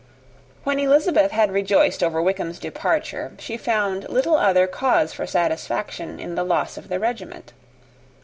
When Elizabeth had rejoiced over Wickham's departure, she found little other cause for satisfaction in the loss of the regiment.